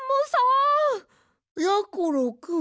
やころくん！